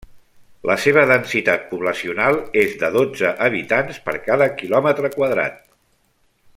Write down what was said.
La seva densitat poblacional és de dotze habitants per cada quilòmetre quadrat.